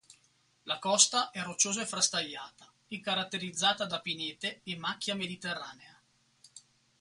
La costa è rocciosa e frastagliata, e caratterizzata da pinete e macchia mediterranea.